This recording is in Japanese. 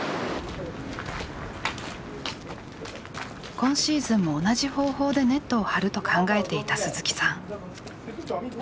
今シーズンも同じ方法でネットを張ると考えていた鈴木さん。